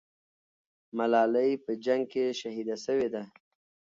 ملالۍ په جنگ کې شهیده سوې ده.